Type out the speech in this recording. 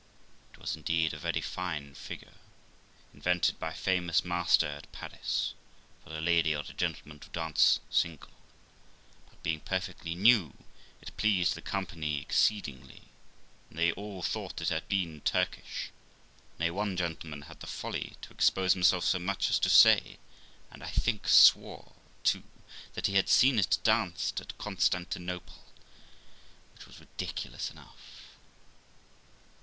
It was, indeed, a very fine figure, invented by a famous master at Paris, for a lady or a gentleman to dance single; but, being perfectly new, it pleased the company exceedingly, and they all thought it had been Turkish; nay, one gentleman had the folly to expose himself so much as to say, and I think swore too, that he had seen it danced at Constantinople, which was ridiculous enough.